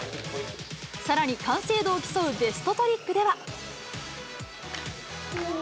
さらに完成度を競うベストトリックでは。